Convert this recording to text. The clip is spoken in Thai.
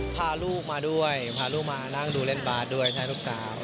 พาลูกมาด้วยพาลูกมานั่งดูเล่นบาสด้วยใช่ลูกสาว